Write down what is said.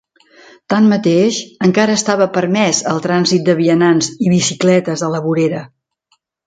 Tanmateix, encara estava permès el trànsit de vianants i bicicletes a la vorera.